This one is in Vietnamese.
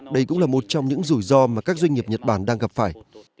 đây cũng là một trong những rủi ro mà các doanh nghiệp nhật bản đang gặp phải